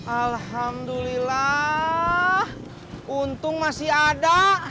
alhamdulillah untung masih ada